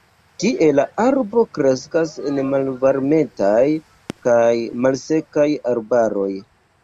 Tie la arbo kreskas en malvarmetaj kaj malsekaj arbaroj.